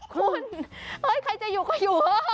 คุณเฮ้ยใครจะอยู่ก็อยู่